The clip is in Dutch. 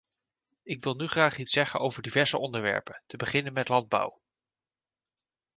Ik wil nu graag iets zeggen over diverse onderwerpen, te beginnen met landbouw.